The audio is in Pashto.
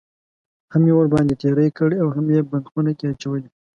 هم یې ورباندې تېری کړی اوهم یې بند خونه کې اچولی.